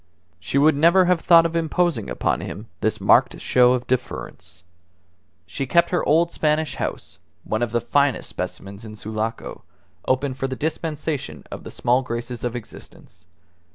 She would never have thought of imposing upon him this marked show of deference. She kept her old Spanish house (one of the finest specimens in Sulaco) open for the dispensation of the small graces of existence.